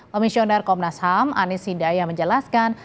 komisioner komnas ham anies hidayah menjelaskan